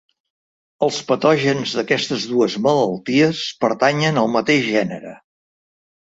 Els patògens d'aquestes dues malalties pertanyen al mateix gènere.